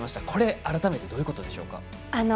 これ、改めてどういうことでしょうか。